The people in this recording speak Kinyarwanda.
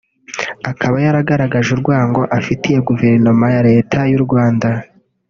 Akaba yaragaragaje urwango afitiye Guverinoma ya Leta y’u Rwanda